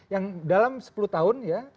yang dalam sepuluh tahun ya